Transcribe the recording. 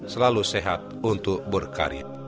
selalu sehat untuk berkarir